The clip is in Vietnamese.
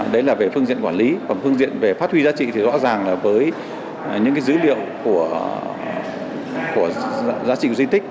đấy là về phương diện quản lý và phương diện về phát huy giá trị thì rõ ràng là với những dữ liệu của giá trị của di tích